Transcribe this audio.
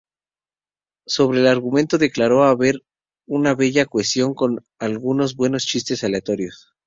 Sobre el argumento declaró haber una bella cohesión con algunos buenos chistes aleatorios.